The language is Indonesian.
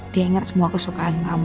dia ingat semua kesukaan kamu